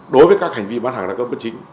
đối với các hành vi bán hàng đa cấp bất chính